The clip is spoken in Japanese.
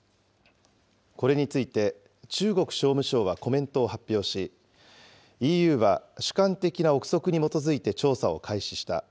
これについて、中国商務省はコメントを発表し、ＥＵは主観的な臆測に基づいて調査を開始した。